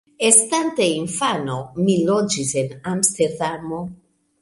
Estante infano mi loĝis en Amsterdamo.